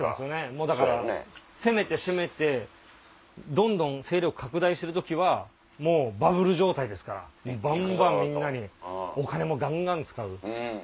もうだから攻めて攻めてどんどん勢力拡大してる時はもうバブル状態ですからバンバンみんなにお金もガンガン使う。